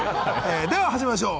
では始めましょう。